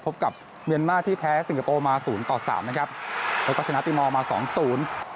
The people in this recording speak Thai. พบกับเมียนมาร์ที่แพ้สิงคโปร์มาศูนย์ต่อสามนะครับแล้วก็ชนะตีมอลมาสองศูนย์